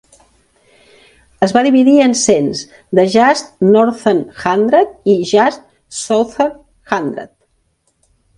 Es va dividir en cents de Tjust Northern Hundred i Tjust Southern Hundred.